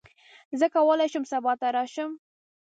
زه کولی شم سبا ته راشم.